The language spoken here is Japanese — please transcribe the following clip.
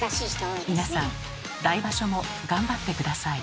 皆さん来場所も頑張って下さい。